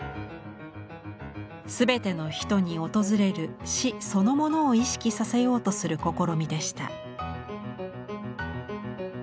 全ての人に訪れる死そのものを意識させようとする試みでした。